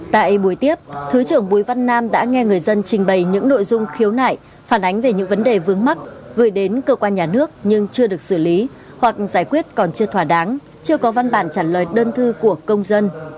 tại buổi tiếp thứ trưởng bùi văn nam đã nghe người dân trình bày những nội dung khiếu nại phản ánh về những vấn đề vướng mắt gửi đến cơ quan nhà nước nhưng chưa được xử lý hoặc giải quyết còn chưa thỏa đáng chưa có văn bản trả lời đơn thư của công dân